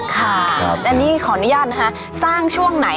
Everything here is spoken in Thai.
ค่ะอันนี้ขออนุญาตนะคะสร้างช่วงไหน